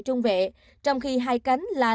trung vệ trong khi hai cánh là